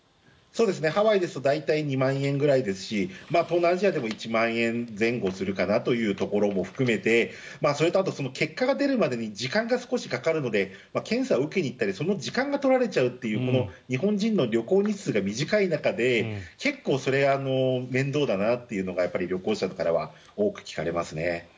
ハワイですと大体２万円で東南アジアでも１万円前後するかなというのも含めてそれとあと、結果が出るまでに時間が少しかかるので検査を受けに行ったりその時間が取られちゃうという日本人の旅行日数が短い中でそれは面倒だなと旅行者の方から聞かれますね。